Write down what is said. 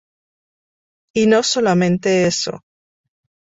Y no solamente eso.